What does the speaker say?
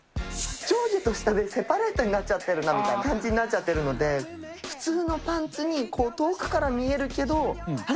上下と下でセパレートになっちゃってるなみたいな感じが出ちゃってるので普通のパンツに遠くから見えるけど、あれ？